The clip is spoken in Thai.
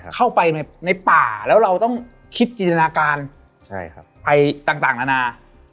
เข้าไปในป่าแล้วเราต้องคิดจินตนาการไปต่างนานา